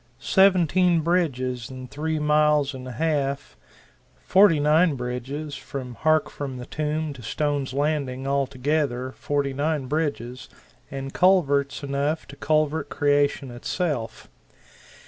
Seventeen bridges in three miles and a half forty nine bridges from Hark from the Tomb to Stone's Landing altogether forty nine bridges, and culverts enough to culvert creation itself!